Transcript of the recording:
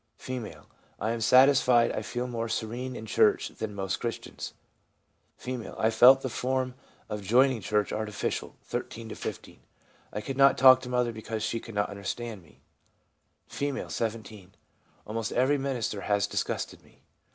F. ' I am satisfied I feel more serene in church than most Christians.' F. ' I felt the form of joining church artificial (13 to 15). I could not talk to mother because she could not understand me.' F., 17. 1 Almost every minister has disgusted me.